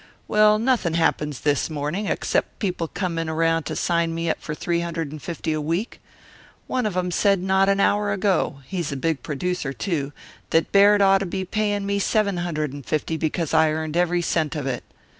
"Well, nothing happens this morning except people coming around to sign me up for three hundred and fifty a week. One of 'em said not an hour ago he's a big producer, too that Baird ought to be paying me seven hundred and fifty because I earned every cent of it.